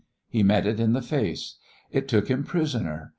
He met it in the face. It took him prisoner.